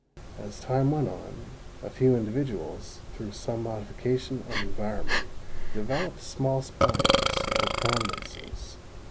As time went on a few individuals, through some modification of environment, developed small spines or prominences.